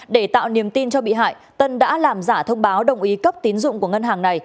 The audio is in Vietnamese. để tạo niềm tin cho bị hại tân đã làm giả thông báo đồng ý cấp tín dụng của ngân hàng này